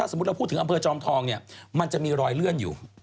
สมมุติเราพูดถึงอำเภอจอมทองเนี่ยมันจะมีรอยเลื่อนอยู่